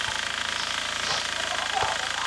ডাঙা জমিতে এবার সে কিছু মূলারও চাষ করিবে স্থির করিয়াছে।